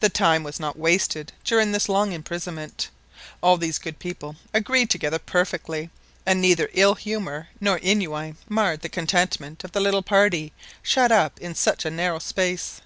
The time was not wasted during this long imprisonment. All these good people agreed together perfectly, and neither ill humour nor ennui marred the contentment of the little party shut up in such a narrow space.